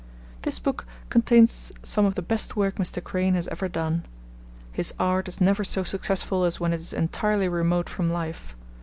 This book contains some of the best work Mr. Crane has ever done. His art is never so successful as when it is entirely remote from life.